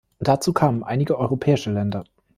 Dazu kamen einige europäische Länder.